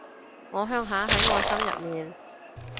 我鄉下喺我心入面